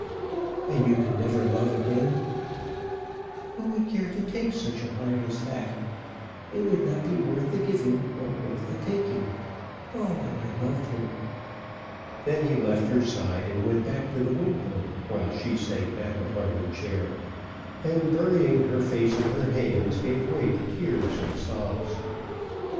"And you can never love again?" "Who would take such a heart as that? It would not be worth the giving or worth the taking. Oh how I loved him!" Then he left her side, and went back to the window, while she sank back upon her chair, and, burying her face in her hands, gave way to tears and sobs.